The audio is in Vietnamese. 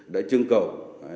đã trưng cầu